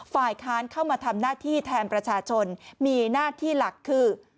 ฝ่ายค้านเข้ามาทำหน้าที่แทนประชาชนมีหน้าที่หลักคือ